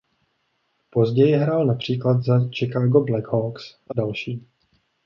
Později hrál například za Chicago Blackhawks a další.